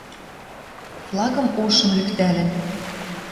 Флагым ошым лӱктӓлӹн.